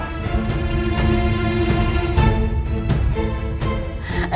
tidak tidak tidak